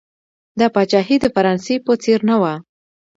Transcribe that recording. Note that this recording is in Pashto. دا پاچاهي د فرانسې په څېر نه وه.